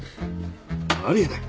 あり得ない！